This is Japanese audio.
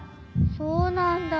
そうなんだ。